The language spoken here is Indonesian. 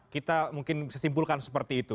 kita mungkin bisa simpulkan seperti itu